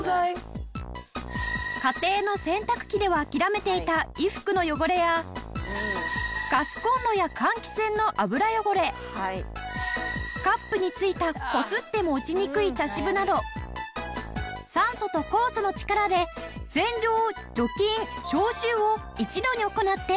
家庭の洗濯機では諦めていた衣服の汚れやガスコンロや換気扇の油汚れカップについたこすっても落ちにくい茶渋など酸素と酵素の力で洗浄除菌消臭を一度に行ってきれいにしてくれる話題の商品。